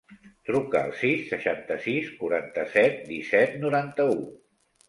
Truca al sis, seixanta-sis, quaranta-set, disset, noranta-u.